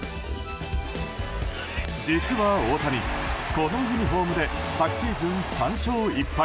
実は大谷、このユニホームで昨シーズン３勝１敗。